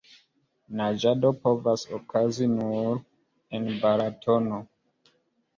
Naĝado povas okazi nur en Balatono.